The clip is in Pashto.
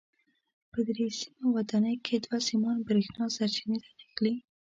په درې سیمه ودانیو کې دوه سیمان برېښنا سرچینې ته نښلي.